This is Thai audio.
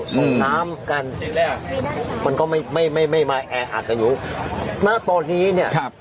ส่งน้ำกันมันก็ไม่ไม่ไม่มาแออัดอายุณตอนนี้เนี่ยครับ